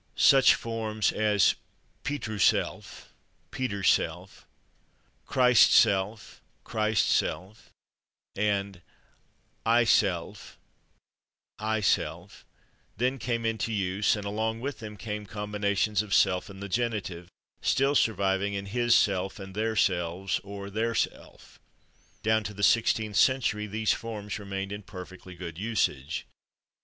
Such forms as /Petrussylf/ (=/Peter's self/), /Cristsylf/ (=/Christ's self/) and /Icsylf/ (=/I/, /self/) then came into use, and along with them came combinations of /self/ and the genitive, still surviving in /hisself/ and /theirselves/ (or /theirself/). Down to the sixteenth century these forms remained in perfectly good usage.